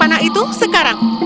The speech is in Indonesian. panah itu sekarang